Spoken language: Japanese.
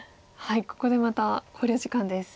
ここでまた考慮時間です。